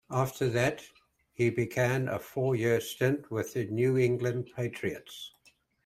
After that he began a four-year stint with the New England Patriots.